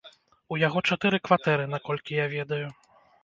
У яго чатыры кватэры, наколькі я ведаю.